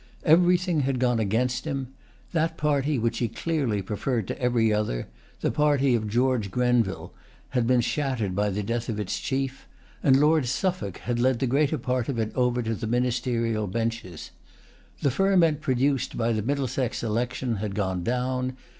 Everything had gone against him. That party which he clearly preferred to every other, the party of George Grenville, had been scattered by the death of its chief; and Lord Suffolk had led the greater part of it over to the ministerial benches. The ferment produced by the Middlesex election had gone down.